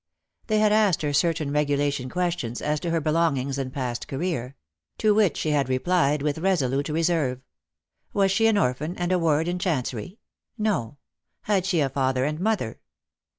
They had asked her certain regulation questions as to her belongings and past career; to which she had replied with resolute reserve. Was she an orphan and a ward in Chancery P No. Had she a father and mother